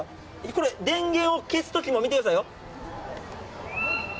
これ、電源を消すときも、見てくださいよ。